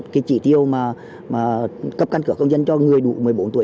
cái chỉ tiêu mà cấp căn cước công dân cho người đủ một mươi bốn tuổi